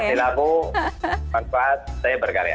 kalau masih labu bermanfaat saya berkarya